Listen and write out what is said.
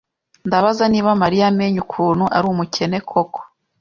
Ndabaza niba Mariya amenya ukuntu ari umukene koko.